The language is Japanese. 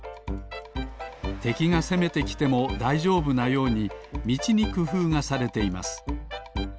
てきがせめてきてもだいじょうぶなようにみちにくふうがされています。